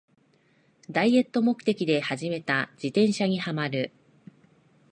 ダイエット目的で始めた自転車にハマる